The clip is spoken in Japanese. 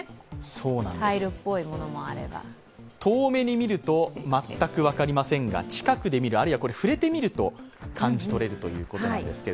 遠目に見れば全く分かりませんが、近くで見る、あるいは触れてみると感じられるということです。